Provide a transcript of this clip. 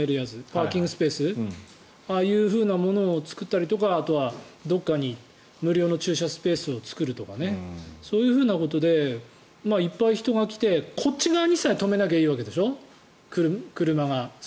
パーキングスペースとかを作ったりどこかに無料の駐車スペース作るとかそういうことでいっぱい人が来てこっち側にさえ止めなきゃいいわけでしょ車が。